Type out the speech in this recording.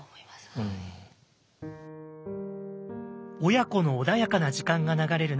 親子の穏やかな時間が流れる中